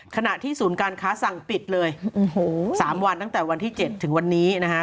ขณะที่ศูนย์การค้าสั่งปิดเลย๓วันตั้งแต่วันที่๗ถึงวันนี้นะฮะ